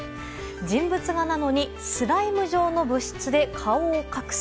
人物画なのにスライム状の物質で顔を隠す。